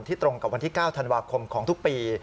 ตรงกับวันที่๙ธันวาคมของทุกปี